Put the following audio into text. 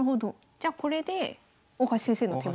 じゃこれで大橋先生の手番。